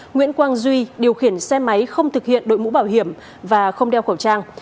nguyễn quang duy điều khiển xe máy không thực hiện đội mũ bảo hiểm và không đeo khẩu trang